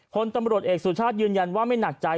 คนตำรวจเอกสุชาติยืนยันว่าไม่หนักใจ